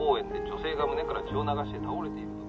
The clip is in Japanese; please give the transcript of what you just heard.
女性が胸から血を流し倒れているとの